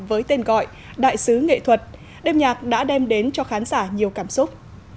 với tên gọi đại sứ nghệ thuật đêm nhạc đã đem đến cho khán giả nhiều cảm xúc